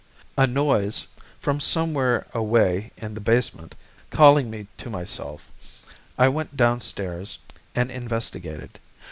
A noise, from somewhere away in the basement, calling me to myself, I went downstairs and investigated.